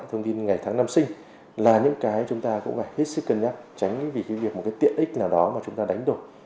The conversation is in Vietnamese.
thông tin ngày tháng năm sinh là những cái chúng ta cũng phải hết sức cân nhắc tránh vì cái việc một cái tiện ích nào đó mà chúng ta đánh đổi